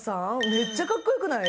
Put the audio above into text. めっちゃかっこよくない？